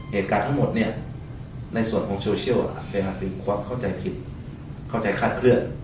เหตุการณ์ทั้งหมดเนี่ยในส่วนของโซเชียลเป็นความเข้าใจผิดเข้าใจคาดเคลื่อน